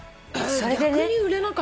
逆に売れなかったの？